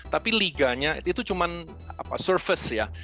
tapi liganya itu cuma apa surface ya